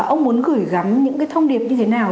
ông muốn gửi gắm những cái thông điệp như thế nào